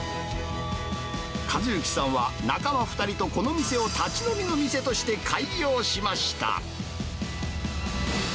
和幸さんは、仲間２人とこの店を立ち飲みの店として開業しました。